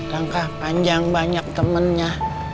langkah panjang banyak temennya